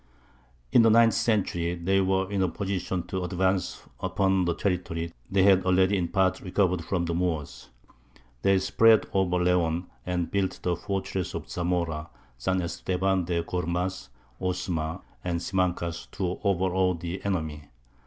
In the ninth century they were in a position to advance upon the territory they had already in part recovered from the Moors. They spread over Leon, and built the fortresses of Zamora, San Estevan de Gormaz, Osma, and Simancas, to overawe the enemy.